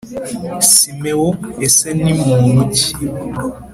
Simeon ese nti muntu ki